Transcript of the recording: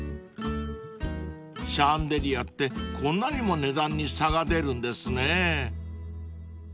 ［シャンデリアってこんなにも値段に差が出るんですね］